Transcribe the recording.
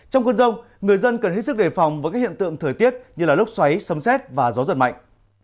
trong khu vực rông người dân cần hết sức đề phòng với các hiện tượng thời tiết như lúc xoáy sâm xét và gió giật mạnh